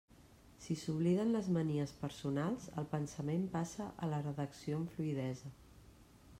Si s'obliden les manies personals, el pensament passa a la redacció amb fluïdesa.